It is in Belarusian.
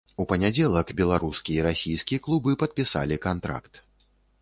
У панядзелак беларускі і расійскі клубы падпісалі кантракт.